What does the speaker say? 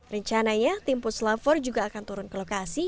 rencananya tim puslavor juga akan turun ke lokasi